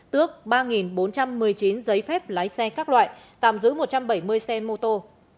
tước ba bốn trăm một mươi chín giấy phép lái xe các loại tạm giữ một trăm bảy mươi xe mô tô